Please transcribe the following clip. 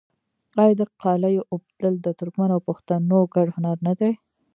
آیا د قالیو اوبدل د ترکمنو او پښتنو ګډ هنر نه دی؟